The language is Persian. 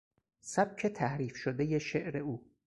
سبک تحریف شدهی شعر او